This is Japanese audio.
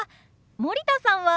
森田さんは？